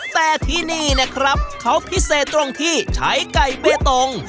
แต่ที่นี่นะครับเขาพิเศษตรงที่ใช้ไก่เบตง